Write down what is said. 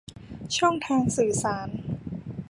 ช่องทางสื่อสาร